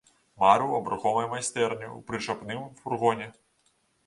Марыў аб рухомай майстэрні ў прычапным фургоне.